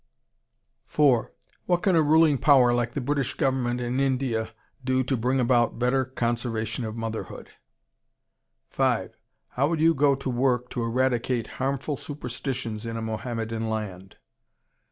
4. What can a ruling power like the British Government in India do to bring about better conservation of motherhood? 5. How would you go to work to eradicate harmful superstitions in a Mohammedan land?